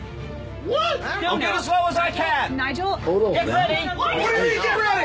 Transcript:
おい。